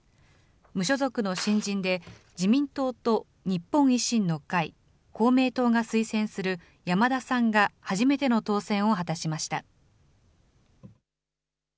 無所属の新人で自民党と日本維新の会、公明党が推薦する山田さんが初めての当選を果たしました。